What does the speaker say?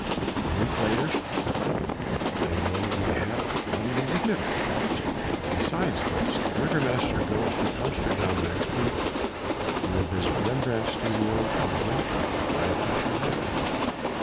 A week later they will mayhap not even look at it. Besides which the Burgomaster goes to Amsterdam next week. He will visit Rembrandt's studio, and probably buy a picture there...."